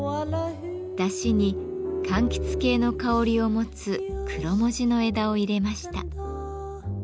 だしにかんきつ系の香りを持つクロモジの枝を入れました。